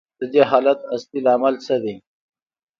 د دې حالت اصلي لامل څه دی